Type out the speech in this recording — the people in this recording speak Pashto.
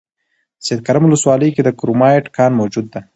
سیدکرم ولسوالۍ کې د کرومایټ کان موجود ده